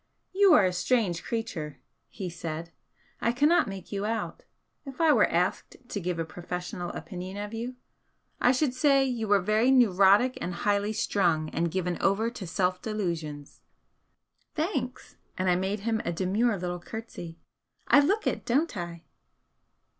"You are a strange creature!" he said "I cannot make you out. If I were asked to give a 'professional' opinion of you I should say you were very neurotic and highly strung, and given over to self delusions." "Thanks!" and I made him a demure little curtsy. "I look it, don't I?"